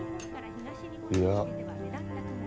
いや。